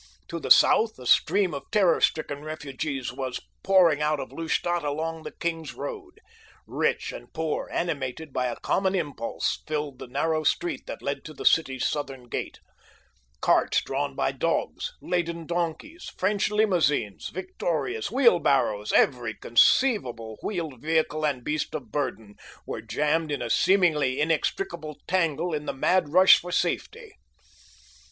To the south a stream of terror stricken refugees was pouring out of Lustadt along the King's Road. Rich and poor, animated by a common impulse, filled the narrow street that led to the city's southern gate. Carts drawn by dogs, laden donkeys, French limousines, victorias, wheelbarrows—every conceivable wheeled vehicle and beast of burden—were jammed in a seemingly inextricable tangle in the mad rush for safety.